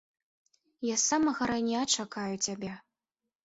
Я з самага рання чакаю цябе.